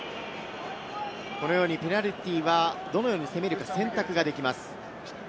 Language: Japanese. このようにペナルティーはどのように攻めるか選択ができます。